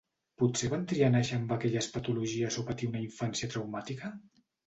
Potser van triar nàixer amb aquelles patologies o patir una infància traumàtica?